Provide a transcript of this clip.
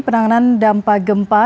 penanganan dampa gempa